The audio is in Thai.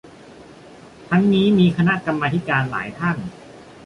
ทั้งมีนีคณะกรรมาธิการหลายท่าน